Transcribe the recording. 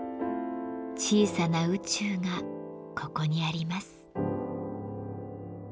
小さな宇宙がここにあります。